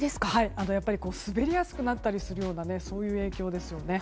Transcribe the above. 滑りやすくなったりするようなそういう影響ですよね。